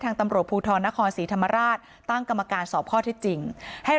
ตำรวจภูทรนครศรีธรรมราชตั้งกรรมการสอบข้อที่จริงให้